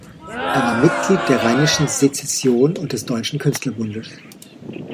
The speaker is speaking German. Er war Mitglied der Rheinischen Sezession und des Deutschen Künstlerbundes.